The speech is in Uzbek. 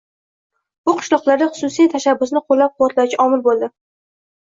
bu qishloqlarda xususiy tashabbusni qo‘llab-quvvatlovchi omil bo‘ldi